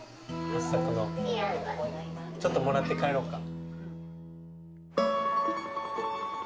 はっさくのちょっともらって帰ろうか。